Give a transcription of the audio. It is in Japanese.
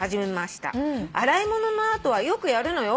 「『洗い物の後はよくやるのよ。